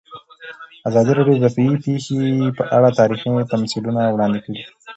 ازادي راډیو د طبیعي پېښې په اړه تاریخي تمثیلونه وړاندې کړي.